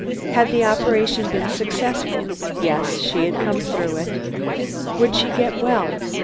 Had the operation been successful? Yes, she had come through it. Would she get well?